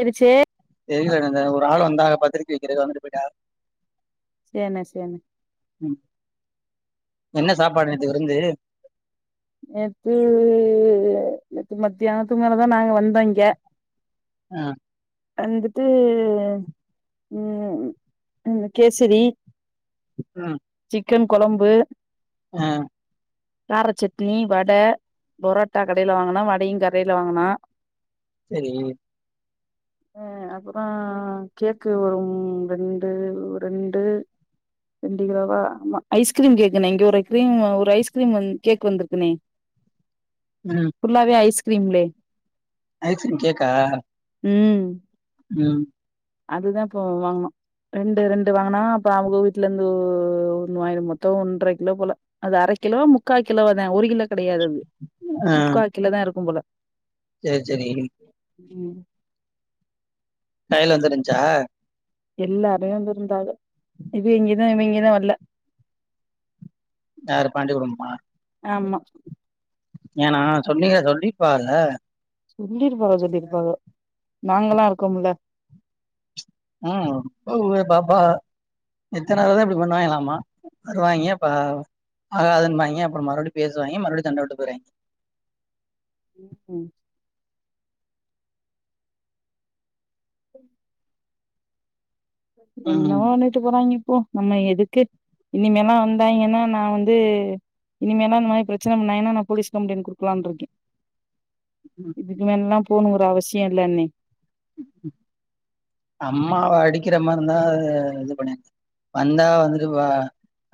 செரி சே தெரியலங்க ஒரு ஆள் வந்தாக பத்திரிக்கை வைக்கிறதுக்கு வந்துட்டு போயிட்டாங் சேர் னா சேர்ண்ணே ம் என்ன சாப்பாடு நேத்து விருந்து நேத்து நேத்து மத்தியானத்துக்கு மேல தா நாங்க வந்தோ இங்க ஆஹ் வந்துட்டு உஹம் அ கேசரி ம் சிக்கன் கொழம்பு ஆஹ் கார சட்னி வடை பொரோட்டா கடையில வாங்கினோ வடையு கடையில வாங்கனோ செரி அஹ அப்புறோ கேக்கு ஒரு ரெண்டு ரெண்டு [unintelligible] ஐஸ்கிரீம் கேக்குன்னே இங்க ஒரு கிரீம் ஒரு ஐஸ்கிரீம் கேக் வந்திருக்குனே ம் ஃபுல்லாவே ஐஸ் கிரீம்லே ஐஸ்கிரீம் கேக்கா உம் உஹம் அதுதா இப்போ வாங்குனோ ரெண்டு ரெண்டு வாங்கினா அப்ப அவங்க வீட்டுல இருந்து து ஒன்னு வாங்குன மொத்தோ ஒன்றரை கிலோ போல அது அரை கிலோ முக்கால் கிலோ தா ஒரு கிலோ கிடையாது அது முக்காகிலோ தா இருக்கு போல செரி செரி உம் [unintelligible] வந்துருந்துச்சா எல்லாரையு அங்க இருந்தாங்க இது இங்க இவிங்க தா வரல யாரு பாண்டி குடும்பமா ஆமா ஏனா சொன்னீங்க சொல்லிப்பாருங்க சொல்லிருப்பாக சொல்லிருப்பாக நாங்கல்லா இருக்கம்ல உம் ஓ பாப்பா மித்த நேரம்தா இப்டி பண்ணுவாய்ங்கலாமா வருவாய்ங்க அப்ப ஆகாதுன்பாய்ங்க அப்பற மறுபடி பேசுவாய்ங்க மறுபடியு சண்ட போட்டுக்குராய்ங்க உம் உம் ம் என்னவோ பண்ணிட்டு போறாங்க போ நம்ம எதுக்கு இனிமேல்லா வந்தாய்ங்கன்னா நா வந்து இனிமேலா இந்த மாரி பிரச்சனை பண்ணாய்ங்கன்னா நா போலீஸ் கம்ப்ளைண்ட் குடுக்கலாம்ன்ட்ருக்கே ம். இதுக்குமேல்லா போனூ ஒரு அவசியல்லணே அம்மாவ அடிக்கிற மாரிந்தா இது பண்ணிய வந்தா வந்து அ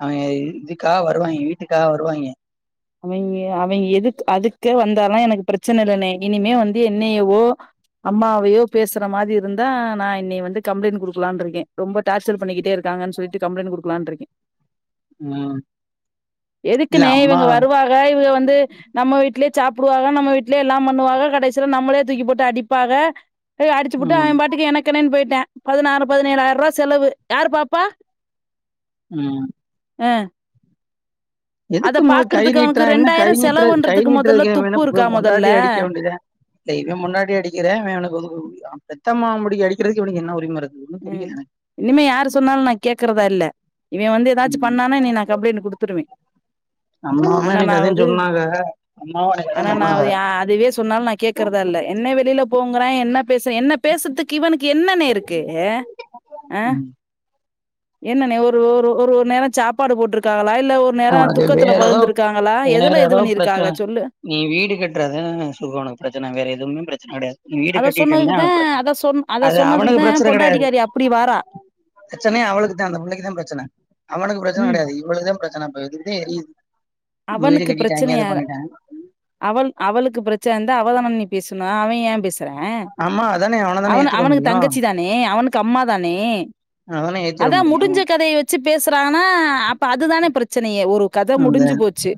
அவய்ங்க இதுக்காக வருவாய்ங்க வீட்டுக்காக வருவாய்ங்க அவய்ங்க அவய்ங்க எதுக் அதுக்கே வந்தால்லா எனக்கு பிரச்சனை இல்லன்னே இனிமே வந்து என்னயவோ அம்மாவையோ பேசுற மாரி இருந்தா நா இன்னை வந்து கம்ப்ளைண்ட் குடுக்கலான்ருக்கே ரொம்ப டார்சல் பண்ணிக்கிட்டே இருக்காங்கன்னு சொல்லிட்டு கம்ப்ளைண்ட் குடுக்கலான்ட்ருக்கே உம் இல்ல எதுக்குண்ணே அம்மா இவங்க வருவாக இவுக வந்து நம்ம வீட்லே சாப்பிடுவாக நம்ம வீட்லே எல்லாம் பண்ணுவாக கடைசியில நம்மளே தூக்கி போட்டு அடிப்பாக அடிச்சுபுட்டு அவ ம் பாட்டுக்கு எனக்கென்னனு போயிட்டா பதினாறு பதினேழாயிரரூபா செலவு யாரு பாப்பா உம் அ அத எதுக்கு மு கை பாக்குறதுக்கு அவனுக்கு நீட்றா என்ன கை ரெண்டாயிரோ செலவு நீட்ற கை பண்றதுக்கு மொதல்ல நீட்றதுக் இவெ என்ன துப்பு இவெ இருக்கா பொண்டாட்டி மொதல்ல அடிக்க வேண்டியதே இல்ல இவெ பொண்டாட்டி அடிக்கிறே இவனுக்கு [unintelligible] [unintelligible] முடி அடிக்கிறதுக்கு இவனுக்கு என்ன உரிமை இருக்கு ஒன்னு ம் புரியல எனக்கு இனிமே யாரு சொன்னாலு நா கேக்கறதா இல்ல இவே வந்து எதாச்சு ம் பண்ணான இனி நா கம்ப்ளைண்ட் குடுத்துடுவே அம்மாவு எனக்கு அதா அண்ணனாவது சொன்னாங்க அம்மாவு எனக்கு அதா அண்ணனாவது சொன்னாங்க யா அதுவே சொன்னாலு நா கேக்குறதா இல்ல என்னை வெளில போங்கற என்ன பேசு என்ன பேசுதுக் இவனுக் என்னன்னேருக் கே ஹ ஆ ம் என்னன்னே ஒரு ஒரு ஒரு ஒர் நேரோ சாப்பாடு போட்ருக்காகளா ஆ அது வேறெதோ எதுல இது வேறெதோ பண்ணிருக்காக பிரச்சனை சொல்லு நீ வீடு கட்றதே சுக ஒனக்கு பிரச்சனை வேற எதுவுமே பிரச் அடயா நீ வீடு அத கட்டிட்டேன்தா சொன்னதுக்குதா அவனுக்கு பிரச் அத சொன் அத அது அவனுக்கு சொன்னதுக்குதா பிரச்சன கெடயாது பொண்டாட்டிக்காரி அப்டி வாரா பிரச்சனை அவளுக்கு தா அந்த புள்ளைக்கு தா பிரச்சன அவனுக்கு பிரச்சன ம் கெடயாது இவளுக பிரச்சனப் அதுக்குத்தே எரியுது அவனுக்கு பிரச்சனய அவள் அவளுக்கு பிரச்சன இருந்தா அவ அவ [unintelligible] பேசனு அவ ஏ பேச ன ஆமா அதானே அவன அவ தானே ஏத்திட அவனுக்கு முடியு தங்கச்சி தானே அவனுக்கு அம்மா தானே அவனதானே ஏத்திட அதா முடியு முடிஞ்ச கதய வெச்சு பேசுறானா அப்ப அதுதான பிரச்சனயே ஒரு கத அந்த முடிஞ்சு போச்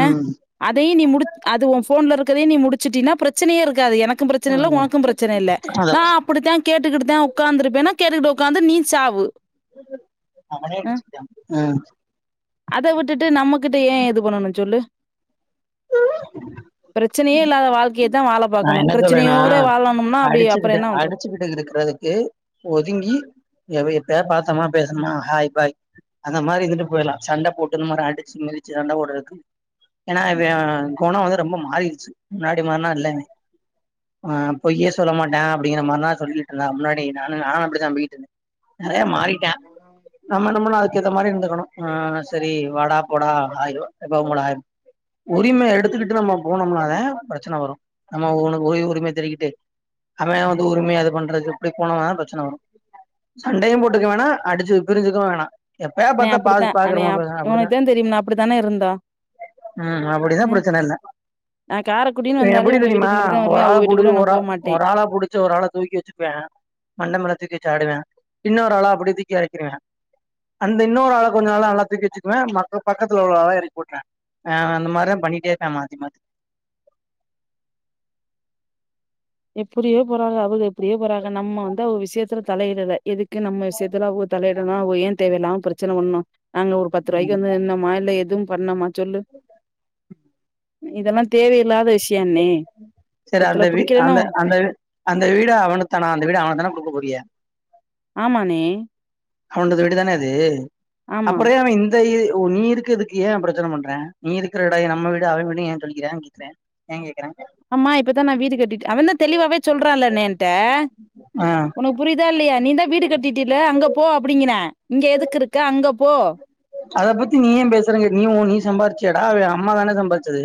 ஆஹ ம் அதையு நீ முடி அது ஒ ஃபோன்ல இருக்குறதே நீ முடிச்சுட்டீனா ப்ரச்சனயே இருக்காது எனக் கு ப்ரச்சன இல்ல உனக்கு ப்ரச்சன இல்ல அத நா அப்புடித்தா கேட்டுக்கிட்டுத்தா உக்காந்திருப்பேன்னா கேட்டுக்கிட்டு உக் உக்காந்து நீ சாவு அவனே அ [unintelligible] ம் அத விட்டுட்டு நம்மகிட்ட ஏ இது பண்ணணு சொல்லு ப்ரச்சனேயே இல்லாத வாழ் நா என்ன சொல்றேனா வாழணும்னா, அப்படி அப்புறம் அடிச்சுக்கிட்டு என்ன பண்றது? அடிச்சுக்கிட்டு இருக்கறதுக்கு ஒதுங்கி [unintelligible] பாத் சமா ம். பேசுனமா ஹாய் ஃபாய் அந்த மாரி இருந்துட்டு போயிடலா சண்ட போட்டு இந்த மாரி அடிச்சு மிதிச்சு சண்ட போடுறக்கு ஏன்னா இவே குணொ வந்து ரொம்ப மாறிருச்சு முன்னாடி மாரினால்லனே ஆ பொய்யே சொல்ல மாட்டே அப்டிங்கிறமார்லா சொல்லிட்டுருந்தே முன்னாடி நானு நானு அப்புடித்தா போயிட்டு இருந்தே நெறயா மாறி [unintelligible] நம்ம நம்மளா க்கேத்த மாரி இருந்துக்கணு ஆ செரி வாடா போடா ஆயோ இப்ப உங்கள உரிம எடுத்துக்கிட்டு நம்ம போனம்னாதா ப்ரச்சன வரு நம்ம உனக்கு உ உரிம தெரிகிட்டு அவே வந்து உரிமையா அது பண்றது எப்டி போனோனாதா ப்ரச்சன வரு சண்டையு போட்டுக்க வேணா அடிச்சு பிரிஞ்சுக்கவு வேணா எப்பயா நெ பாத்தா பா அப்டித்தா பாக்குறமா பேச அப்டிதா உனக்குதா தெரியும்ன அப்டித்தான இருந்தோ ம் அப்டிதா ம் நா காரக்குடின்னு வந்தா புடி தெரியுமா ஒரு ஆள புடிச்சு ஒரு ஒரு ஆள புடிச்சு ஒரு ஆள தூக்கி வெச்சுப்பா மண்ட மேல தூக்கி வெச்சு ஆடுவெ இன்னொரு ஆளா அப்புடி தூக்கி எறக்கிருவா அந்த இன்னொரு ஆள கொஞ்ச நாளா நல்லா தூக்கி வெச்சுக்குவா மக்க பக்கத்துல உள்ள ஆள எறக்கி போட்டுறா ஆ அவெ அந்த மாரிதா பண்ணிட்டே இருந்தா மாத்தி மாத்தி எப்புடியோ போறாக அவுக எப் ப்டியோ போராக நம்ம வந்து அவுக விஷயத்துல தலையிடல எதுக்கு நம்ம விசயத்துல அவுக தலையி யிடனு அவுக ஏ தேவையில்லாம ப்ரச்சன பண்ணு நாங்க ஒரு பத்து ரூபாய்க்கு வந்து இந்த [unintelligible] எதுவு பண்ணமா சொல்லு இதெல்லா தேவையில்லாத விஷயன்னே சரி அந்த வீ அந்த அந்த அந்த வீட அவனுக் தானா அந்த வீட அவனுக் தானா குடுக்க போறிய ஆமான்னே அவண்டொது வீடுதான அது ஆமா அப்பறோ ஏ அவ இந்த இ இப்போ நீ இருக்குறதுக்கு ஏ ப்ரச்சன பண்றா நீ இருக்குற இடோ ஏ நம்ம வீடு அவன் வீடுன்னு ஏ சொல்லிக்கிறான்னு கேக்குறே ஏங்கேக்குறே ஆம்மா இப்பதா நா வீடு கட்டிட்டே அவந்தா தெளிவாவே சொல்றான்லனே என்ட்ட ஆ உனக்கு புரியுதா இல்லையா நீந்தா வீடு கட்டிட்டில அங்க போ அப்டிங்கிறா இங்க எதுக்கு இருக்க அங்க போ அத பத்தி நீ ஏ பேசுற நீ ஒ நீ சம்பாறிச் டா அவ அம்மா தானே சம்பாரிச்சது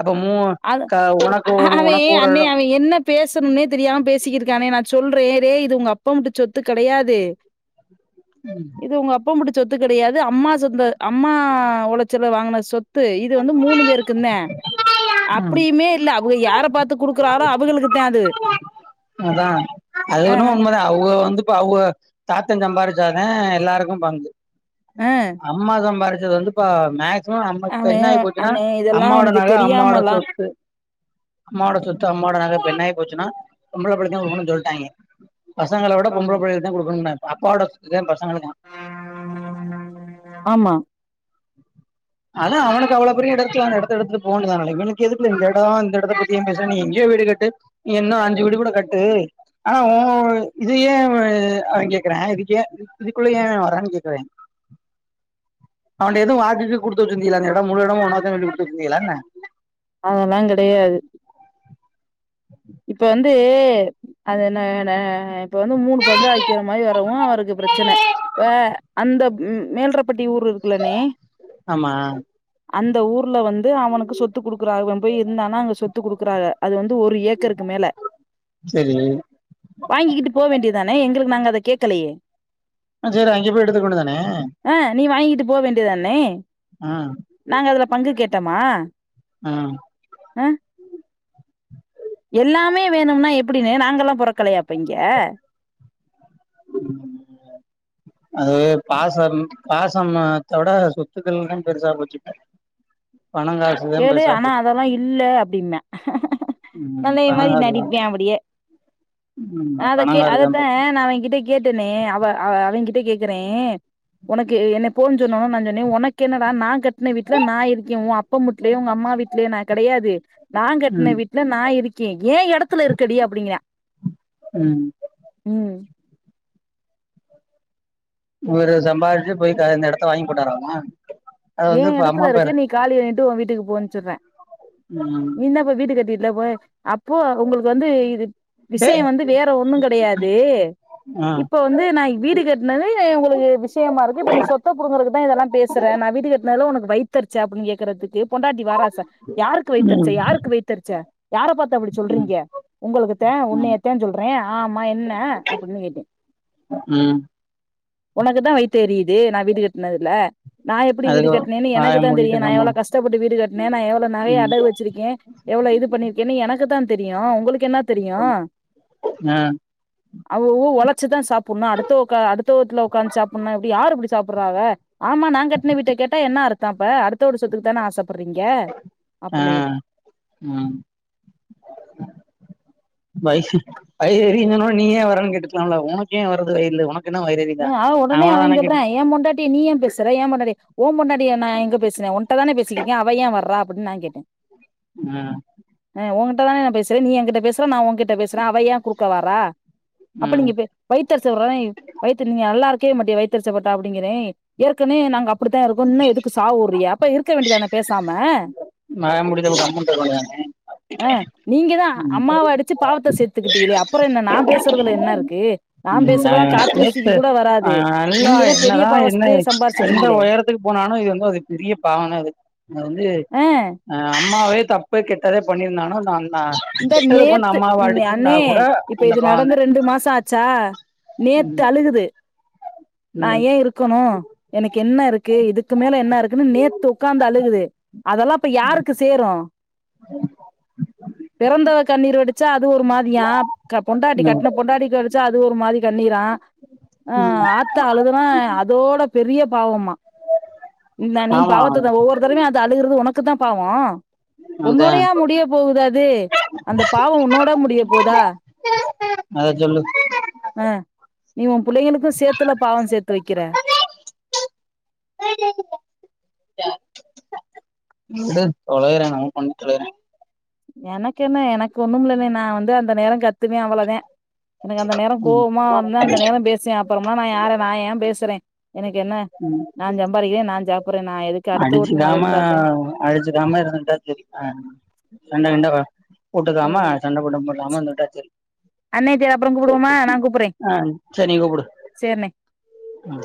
அப்ப மூ அத க உனக்கு ஒரு அவே உனக்கு ஒரு அண்ணே எடோ அவ என்ன பேசணும்னே தெரியாம பேசிக்கிட்ருக்கானே நா சொல்றேன் ரே இது உங்க அப்பம்ட்டு சொத்து கெடையாது இது உங்க அப்ப முடு சொத்து கிடையாது அம்மா சொந்த அம்மா உழைச்சுல வாங்கின சொத் த்து இது வந்து மூணு பேருக்குந்தா ம் அப்படியுமே இல்ல அவுக யார பாத்து குடுக் ராரோ அவுகளுக்குத்தா அது அதா அது அ, ஒன்னு உண்மைத அவுக வந்து இப்ப அவுக தாத்தன் சம்பாரிச்சாதா எல்லாருக்கு பங்கு அ அம்மா சம்பாரி இது வந்து இப்ப மேக் [unintelligible] நம்ம இப்ப என்ன அவன் ஆகி போச்சுன்னா அண்ணே இதெல்லாம் அம்மா ஓட அவனுக்கு நகை அம்மாட தெரியாமலாம் சொத்து அம்மா ஓட சொத்து அம்மா ஓட நக இப்ப என்னாகிப்போச்சுனா சம்பள பணத்த [unintelligible] சொல்டாய்ங்க பசங்கள விட பொம்பள ஆமா. புள்ளகளுக்கு தா குடுக்கணும்ன அப்பவோட அதா [unintelligible] [unintelligible] ஆமா. அதா அவனுக் அத்தா அவ்ளோ பெரிய எட இருக்கில்ல அந்த எடத்த எடுத்துட்டு போ வேனியதால இவனுக்கு எதுக்குல இந்த எடோ இந்த எடத்தப் பத்தி ஏம் பேசற நீ எங்கயோ வீடு கட்டு நீ என்ன அந் ஞ்சு வீடு கூட கட்டு ஆனா ஓ இது ஏ அவ அவ கேக்குறன் இதுக்கே இதுக்குள்ள ஏ அவ வரனு கேக்குறே அவன்ட எது வாக்குகீக்கு குடுத்த வச்சிருந்தியலா இந்த எடோ முழு எடமு உனக்கு தான்னு சொல்லி குடுத்து வச்சிருந்தியலா என்ன அதெல்லா கெடையாது இப்ப வந்து அது என்ன னா இப்ப வந்து மூணு பங்கா வைக்கிற மாரி வரவு அவருக்கு பிரச்சனை ப அந்த உம் மேல்றப் பட்டி ஊர் இருக்கில்லணே ஆமா அந்த ஊர்ல வந்து அவனுக்கு சொத்து குடுக்குறா அவ போய் இருந்தானா அங்க சொத்து குடுக்குறாக அது வந்து ஒரு ஏக்கருக்கு மேல செரி வாங்கிகிட்டு போ வேண்டி தானே எங்களுக்கு நாங்க அத கேக்கலையே ம் சேரி அங்க போய் எடுத்துக்க வேண்டியது தானே ஆ நீ வாங்கிட்டு போ வேண்டியதாண்ணே ஆஹ்ம் பங்கு கேட்டமா உஹம் ஆ எல்லாமே வேணும்னா எப்டின்னா நாங்கல்லா பொறக்கலையாப்ப இங்க அது பாசம் பாசமத்தோ விட சொத்துக்கள்ல்லா பெருசா போச்சு இப்ப பணம் காசுதா கேளு பெருசா ஆனா போச்சு அதெல்லா இல்ல அப்டிம்பா ம் நல்லைய பணம் மாரி காசுதா நடிப்பே அப்டியே ம் அத கே பணம் காசுதா அதத்தா போச்சு நா அவன கிட்ட கேட்டேனே அவ அவ் அவே கிட்ட கேட்கிறே உனக்கு என்ன போன்னு சொன்ன நா சொன்னே உனக்கு என்னட நா கட்டின வீட்டல நா இருக்கே உ அப் அப்ப முட்லயு உங்க அம்மா வீடலேயோ நா கெடையாது நா ம் கட்டின வீட்டுல நா இருக் ஏ எடத்துல இருக்கடி அப்டிங்கிற ம் உம் இவுரு சம்பாரிச்சி போய் அந்த எடத்த வாங்கி போட்டாராம ஏ எடத்துல இருக்கே நீ காலி பண்ணிட்டு உ வீட்டுக்கு போனு சொல்ற ம் நீனாப்ப வீடு கட்டி இல்ல போய அப்போ உங்களுக்கு வந்து இது விஷய டேய் வந்து வேற ஒண்ணு கெடையாது ஆ இப்ப வந்து நா வீடு கட்டினது உங்களுக்கு விஷயமா இருக்கு இப்ப நீ சொத்த புடுங்கறக்குதா இதெல்லா பேசுற நா வீட் அப்ப உனக்கு வைத்தெரிச்ச அப்டின்னு கேக்குறதுக்கு பொண்டாட்டி வாராச யாருக்கு வைத்தெருச்ச ம் யாருக்கு வைத்தெருச்ச யார பாத்த அப்டி ம் சொல்றீங்க உங்களுக்குத்தே ம் உன்னையத்தே சொல்றே ஆமா என்ன அப்டின்னு கேட்டே ம் உனக்கு தா வைத்தேரியுது நா வீடு கட்டினதுல எப்டி வீடு அதுக்கு கட்டினான்னு வாய எனக்கு தா தெரியு மூடிட்டு நா கம்முனு எவ்ளோ கஷ்டப்பட்டு வீடு கட்டின நா எவ்வளவு நகைய ம் அடகு வச்சிருக்கே எவ்ளோ இது பண்ணி இருக்க எனக்கு தா தெரியு உங்களுக்கு என்ன தெரியு ஆ அவு வு ஒலக ழைச்சு தா சாப்ஸ் ன்னா அடுத்த உக் அடுத்த [unintelligible] உக்காந்து சாப்பிடனுன்னா எப்டி யார் அப்டி சாப்பிடறாங்க ஆமா நா கட் ட்டா என்னா அர்த்த இப்ப அடுத்த வூடு சொத்துகுதான ஆசைப் ஆஹ் உம் வயசு வயிரெயினனு நீயே வரன்னு கேட்டுக்கலாம்ல உனக்கே வரது [unintelligible] உனக்கு என்ன வயிறு எரியுதா உஹ் அவ உடனே அவன அவ தான கேட் சொல்றே ஏ பொண்டாட்டிய நீ ஏ பேசுற ஏ பொண்டாட்டி உ பொண்டாட் ட்டிய நா எங்க பேசினே உன்கிட்ட தானே பேசிக்கிட்ட அவ ஏ வர்ற அப்ப நா கேட்டே உம் உங்கிட்ட தான நா பேசுறே நீ என்கிட்ட பேசற நா உங்கிட்ட பேசறே அவ ஏ குறுக்க வாரா அப்ப ம் நீங்க வெ வைத்தெரிசவரய்ங்க நீங்க நல்லாயிருக்கமாட்டே வைத்தெரிச்சப்பட்ட அப்டிங்கிறே ஏற்கனவே நாங்க அப் ப்டித்தா இருக்கோ இன்னோ எதுக்கு சாபோ வுடுறீயா இருக்க வேண்டிதானே பேசாம நா முடி [unintelligible] இங்கதா அம்மாவ அடிச்சு பாவத்தை சேத்த த்துகிட்டிட்டே அப் அப்பொற என்ன நா பேசுறதுல என்ன இருக்கு நா ம் ஆ பேசுறதா காத் ஆ நல்லா பெரிய என்னதா என்ன பாவத்தையே எந்த சம்பாரிச்சுட்டீங்களே ஒயரத்துக்கு போனாலு இது வந்து அது பெரிய பாவ அது அது வந்து ஆ ஆஹ் அம்மாவே தப்பு கெட்டதே பண்ணியிருந்தானு நான் ஆ இந்த கெட்டதுபண்ண நேத்து அம்மாவா நே- அடிச்சிருந்தா அண்ணே கூட இப்ப அந்த இது நடந்த பாவந்தா ரெண்டு மாச ஆச்சா ம் நேத்து அழுகுது நா ம் ஏ இருக்கணு எனக்கு என்ன இருக்கு இதுக்கு மே என்ன இருக்குன்னு நேத்து ஒக்காந்து அழுகுது அதெல்லா இப்ப யாருக்கு சேரு [inaudible] பிறந்தவ கண்ணீர் வெடிச்சா அ து ஒரு மாதிரியா பொண்டாட்டி ம் கட்டண பொண்டாடி வச்சா அது து ஒரு மாரி கண்ணீரா ஆ ம் ஆததா அழுகுரா அதோட பெரியப் பாவமா இந்தா நீ ஆமா பாவத்தா ஒவ்வொரு தரவ அழுகிறது உனக்கு தா பாவோ அதா உன்னோடையா முடிய போகுது அது து அந்த பாவ உன்னோட முடிய போதா அத சொல்லு அஹ் நீ உ பிள்ளைகளுக்கு சேர்த்துல பாவம் சேத்து வைக்கிற இ விடு தொலைறா அவ கொண்ண தொலைறா எனக்கு என்ன எனக்கு ஒண்ணு மில்லனே நா வந்து அந்த நேரோ கத்துவே அவ்வளதா எனக்கு அந்த நேரோ ம் கோவமா இருந்தா அந்த நேர பேசுவே அப்பறமா நா யார நா ஏ பேசுறே எனக்கு என்ன ம் நா ஜம்பாறிக்கிறே நா சாப்புறே நா எதுக்கு அடுத்தவர்ட்ட நா அடிச்சுக்காம இருந்தாத்தே அடிச்சுக்காம இருந்துகிட்டா செரி அஹ் சண்ட கிண்ட வா போட்டுக்காம சண்டை போட்ட போடாம இருந்துட்டா செரி போமா நா கூப் ஆ செரிக்கூப்டு ம்